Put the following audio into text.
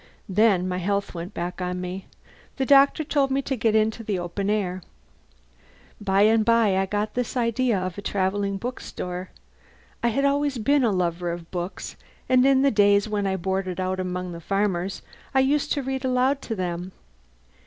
Then my health went back on me. The doctor told me to get into the open air. By and by I got this idea of a travelling bookstore. I had always been a lover of books, and in the days when I boarded out among the farmers I used to read aloud to them.